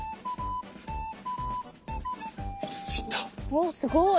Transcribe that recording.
おおすごい！